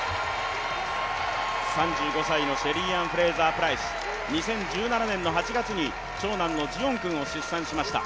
３５歳のシェリーアン・フレイザー・プライス、２０１７年の８月に長男のジオン君を出産しました。